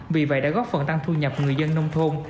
vì vậy đã góp phần tăng thu nhập người dân nông thôn